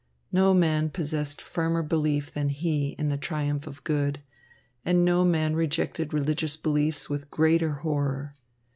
No man possessed firmer belief than he in the triumph of good, and no man rejected religious beliefs with greater horror.